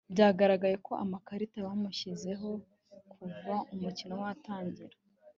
Byaragaragaye ko amakarita bamushyizeho kuva umukino watangira